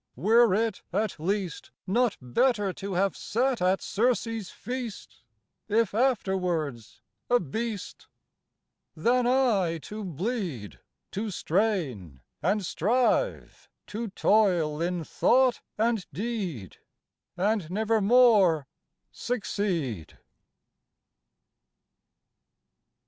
Were it, at least, Not better to have sat at Circe's feast, If afterwards a beast? Than aye to bleed, To strain and strive, to toil in thought and deed, And nevermore succeed?